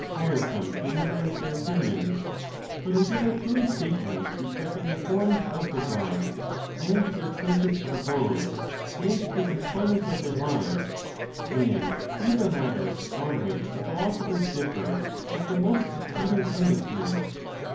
tiresome to enumerate their opinions ; for they give us many statements respecting the foi ms of the Gods, and their places of abode, and the employment of their lives. And these are matters on which the philosophers diffef with the most exceeding earnestness.